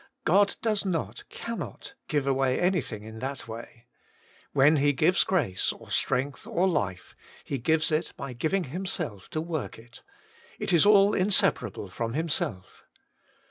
God does not, cannot, give away anything in that way. When He gives grace, or strength, or life, H^ gives it by giving Himself to work it — it i? all inseparable from Himself.